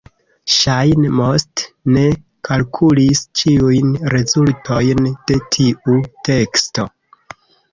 Ŝajne Most ne kalkulis ĉiujn rezultojn de tiu teksto.